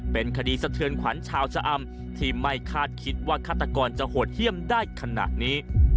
เป็นคดีสะเทือนขวัญชาวชะอำที่ไม่คาดคิดว่าฆาตกรจะโหดเยี่ยมได้ขนาดนี้